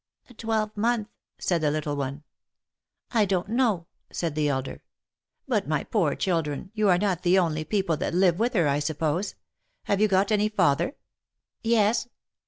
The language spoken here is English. " A twelvemonth," said the little one. " I don't know," said the elder. " But, my poor children, you are not the only people that live with her, I suppose? Have you got any father?" " Yes."